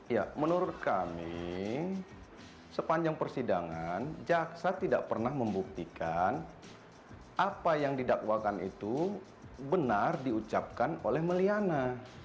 ya menurut kami sepanjang persidangan jaksa tidak pernah membuktikan apa yang didakwakan itu benar diucapkan oleh meliana